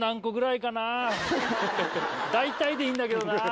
大体でいいんだけどな。